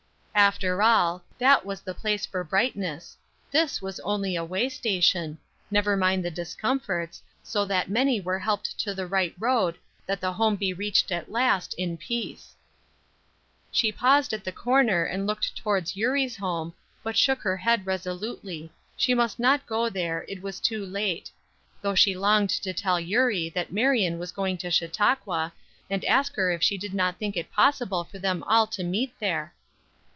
After all, that was the place for brightness. This was only a way station; never mind the discomforts, so that many were helped to the right road that the home be reached at last, in peace. She paused at the corner and looked towards Eurie's home, but shook her head resolutely, she must not go there, it was too late; though she longed to tell Eurie that Marion was going to Chautauqua, and ask her if she did not think it possible for them all to meet there.